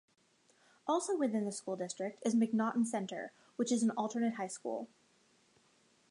Also within the school district is McNaughton Centre which is an Alternate High school.